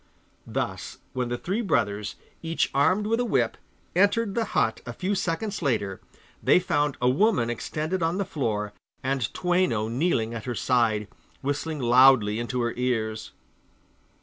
Thus when the three brothers, each armed with a whip, entered the hut a few seconds later, they found a woman extended on the floor, and Toueno kneeling at her side, whistling loudly into her ears.